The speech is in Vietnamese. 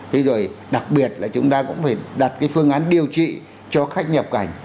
thế rồi đặc biệt là chúng ta cũng phải đặt cái phương án điều trị cho khách nhập cảnh